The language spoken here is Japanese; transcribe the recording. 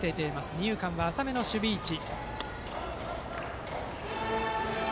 二遊間は浅めの守備位置。